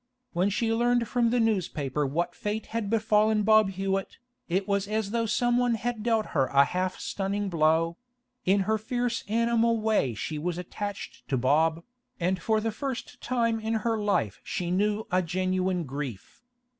When she learned from the newspaper what fate had befallen Bob Hewett, it was as though someone had dealt her a half stunning blow; in her fierce animal way she was attached to Bob, and for the first time in her life she knew a genuine grief.